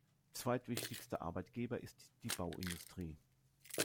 Zweitwichtigster Arbeitgeber ist die Bauindustrie.